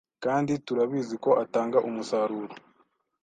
kandi turabizi ko atanga umusaruro.